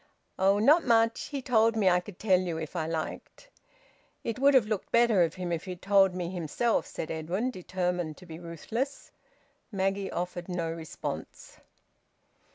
"Oh! Not much! He told me I could tell you if I liked." "It would have looked better of him, if he'd told me himself," said Edwin, determined to be ruthless. Maggie offered no response.